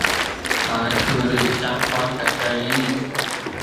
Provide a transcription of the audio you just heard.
來處理相關的爭議